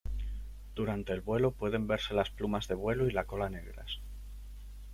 Durante el vuelo pueden verse las plumas de vuelo y la cola negras.